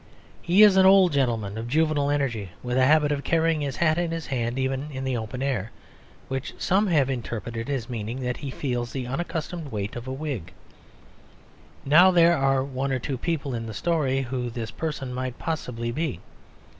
He is an old gentleman of juvenile energy, with a habit of carrying his hat in his hand even in the open air; which some have interpreted as meaning that he feels the unaccustomed weight of a wig. Now there are one or two people in the story who this person might possibly be.